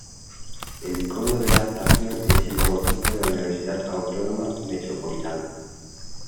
El icono de la estación es el logotipo de la Universidad Autónoma Metropolitana.